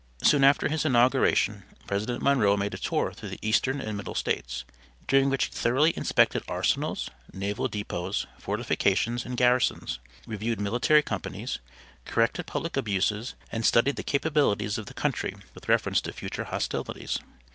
Soon after his inauguration President Monroe made a tour through the Eastern and Middle States, during which he thoroughly inspected arsenals, naval depots, fortifications and garrisons; reviewed military companies, corrected public abuses, and studied the capabilities of the country with reference to future hostilities.